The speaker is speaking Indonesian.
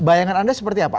bayangan anda seperti apa